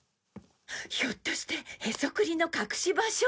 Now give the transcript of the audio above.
ひょっとしてへそくりの隠し場所？